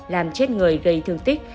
làm chết người gây thương tích